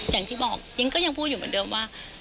อย่างที่บอกยังก็ยังพูดอยู่เหมือนเดิมว่า